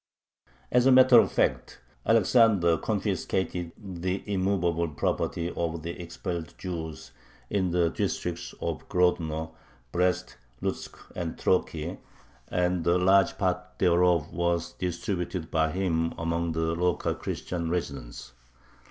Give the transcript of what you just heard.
As a matter of fact Alexander confiscated the immovable property of the expelled Jews in the districts of Grodno, Brest, Lutzk, and Troki, and a large part thereof was distributed by him among the local Christian residents.